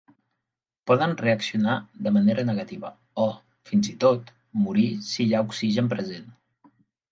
Poden reaccionar de manera negativa o, fins i tot, morir si hi ha oxigen present.